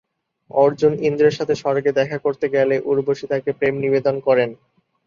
অর্জুন ইন্দ্রের সাথে স্বর্গে দেখা করতে গেলে উর্বশী তাকে প্রেম নিবেদন করেন।